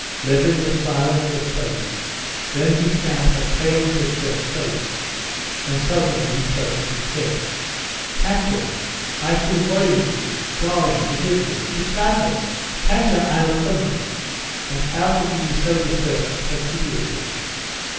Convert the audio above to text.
Levin was silent for a space, then he scanned her pale and distressed face, and suddenly he clutched at his head. "Katya, I've been worrying you! Darling, forgive me! It's madness! Katya, I'm a criminal. And how could you be so distressed at such idiocy?"